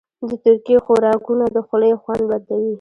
د ترکي خوراکونه د خولې خوند بدلوي.